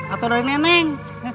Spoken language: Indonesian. atau dari neneng